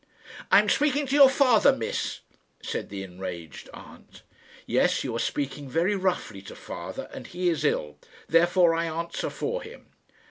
"I am speaking to your father, miss," said the enraged aunt. "Yes; you are speaking very roughly to father, and he is ill. Therefore I answer for him."